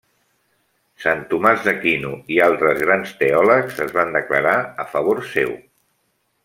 Sant Tomàs d'Aquino i altres grans teòlegs es van declarar a favor seu.